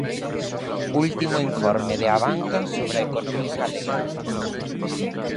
Último informe de Abanca sobre a economía galega.